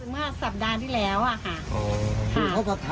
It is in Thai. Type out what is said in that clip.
เมื่อสัปดาห์ที่แล้วค่ะ